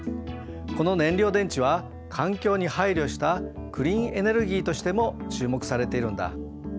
この燃料電池は環境に配慮したクリーンエネルギーとしても注目されているんだ。